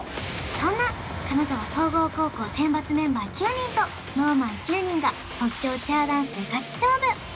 そんな金沢総合高校選抜メンバー９人とＳｎｏｗＭａｎ９人が即興チアダンスでガチ勝負！